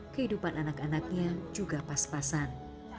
kehidupan anak anaknya juga pas pasan